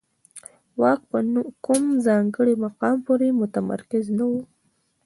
واک په کوم ځانګړي مقام پورې متمرکز نه و.